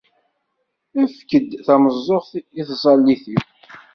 Efk-d tameẓẓuɣt i tẓallit-iw.